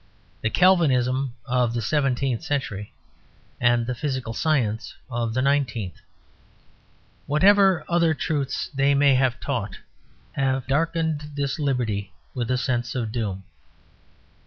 The Calvinism of the seventeenth century and the physical science of the nineteenth, whatever other truths they may have taught, have darkened this liberty with a sense of doom.